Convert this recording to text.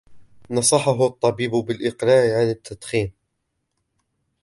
نصحه طبيبه بالإقلاع عن التدخين.